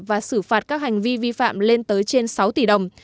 và xử phạt các hành vi vi phạm lên tới trên sáu tỷ đồng